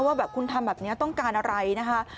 ว่าแบบคุณทำแบบนี้ต้องการอะไรนะคะ